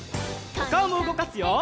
おかおもうごかすよ！